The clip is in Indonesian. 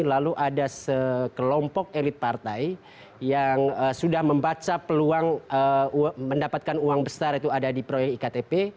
lalu ada sekelompok elit partai yang sudah membaca peluang mendapatkan uang besar itu ada di proyek iktp